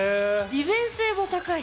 利便性も高い。